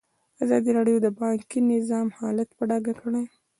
ازادي راډیو د بانکي نظام حالت په ډاګه کړی.